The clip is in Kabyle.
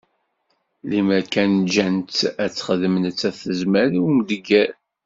Limmer kan ǧǧan-tt ad texdem nettat tezmer i umdegger.